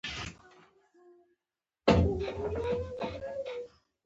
متخصصان وايي جنېتیک یا وراثت په دې